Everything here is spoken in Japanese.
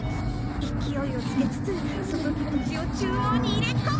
勢いをつけつつ注ぎ口を中央に入れ込む！